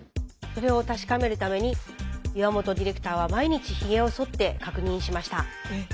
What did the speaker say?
それを確かめるために岩本ディレクターは毎日ひげをそって確認しました。